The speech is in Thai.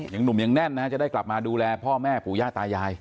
หนุ่มยังแน่นนะจะได้กลับมาดูแลพ่อแม่ปู่ย่าตายาย